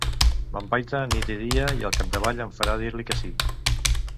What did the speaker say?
M'empaita nit i dia, i al capdavall em farà dir-li que sí!